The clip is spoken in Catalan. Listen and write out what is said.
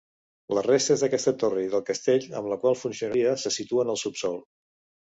Les restes d'aquesta torre i del castell amb la qual funcionaria se situen al subsòl.